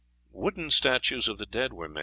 Wooden statues of the dead were made.